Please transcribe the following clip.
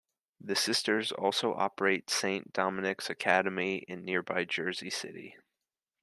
The Sisters also operate Saint Dominic Academy in nearby Jersey City.